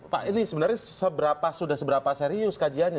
pak ini sebenarnya sudah seberapa serius kajiannya